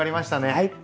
はい。